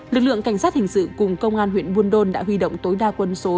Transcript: lực lượng cảnh sát hình sự cùng công an huyện buôn đôn đã huy động tối đa quân số